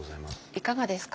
いかがですか？